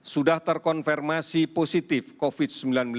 sudah terkonfirmasi positif covid sembilan belas